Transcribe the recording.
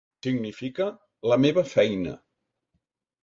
Significa la meva feina!